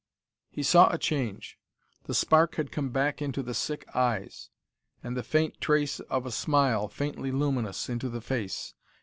He saw a change. The spark had come back into the sick eyes, and the faint trace of a smile, faintly luminous, into the face.